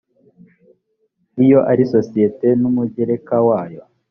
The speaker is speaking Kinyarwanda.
iyo arisosiyete n’umugereka wayo